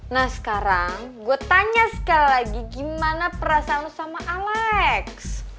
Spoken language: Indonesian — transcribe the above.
nah sekarang gue tanya sekali lagi gimana perasaanmu sama alex